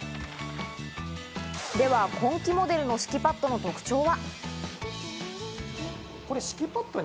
では今季モデルの敷きパッドの特徴は？